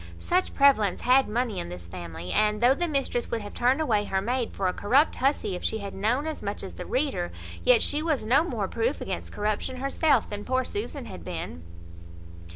Such prevalence had money in this family; and though the mistress would have turned away her maid for a corrupt hussy, if she had known as much as the reader, yet she was no more proof against corruption herself than poor Susan had been.